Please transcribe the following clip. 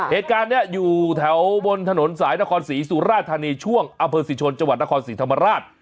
เหตุการณ์เนี่ยอยู่แถวบนถนนสายนครศรีสุราธารณีช่วงอศิษฐนจนครศรีธรรมราช